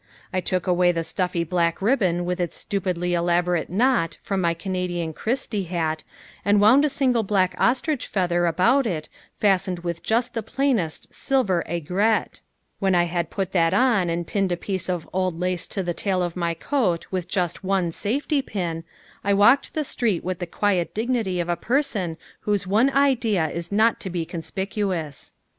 I took away the stuffy black ribbon with its stupidly elaborate knot from my Canadian Christie hat and wound a single black ostrich feather about it fastened with just the plainest silver aigrette. When I had put that on and pinned a piece of old lace to the tail of my coat with just one safety pin, I walked the street with the quiet dignity of a person whose one idea is not to be conspicuous.